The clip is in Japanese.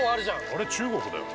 あれ中国だよね？